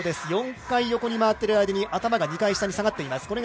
４回横に回っている間に、頭が２回下に下がっています。